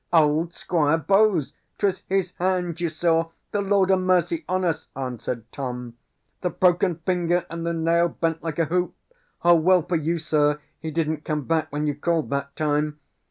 "Old Squire Bowes; 'twas his hand you saw; the Lord a' mercy on us!" answered Tom. "The broken finger, and the nail bent like a hoop. Well for you, sir, he didn't come back when you called, that time.